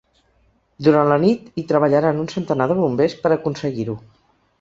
Durant la nit hi treballaran un centenar de bombers per a aconseguir-ho.